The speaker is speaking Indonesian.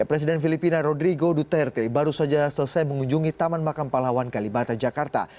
presiden filipina rodrigo duterte baru saja selesai mengunjungi taman makam palawan kalibata jakarta